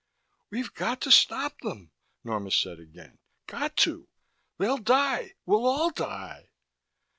"We've got to stop them," Norma said again. "Got to. They'll die we'll all die."